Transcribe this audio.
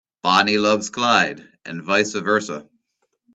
Bonnie loves Clyde and vice versa.